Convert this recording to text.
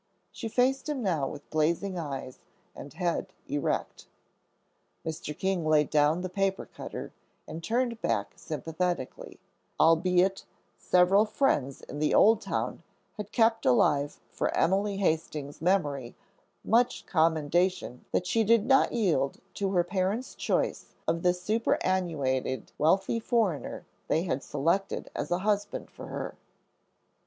She faced him now with blazing eyes and head erect. Mr. King laid down the paper cutter and turned back sympathetically; albeit several friends in the old town had kept alive for Emily Hastings's memory much commendation that she did not yield to her parents' choice of the superannuated wealthy foreigner they had selected as a husband for her.